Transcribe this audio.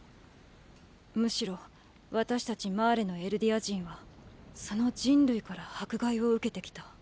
むしろ私たちマーレのエルディア人はその「人類」から迫害を受けてきた。